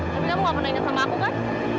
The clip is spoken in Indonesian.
tapi kamu gak pernah ingat sama aku kan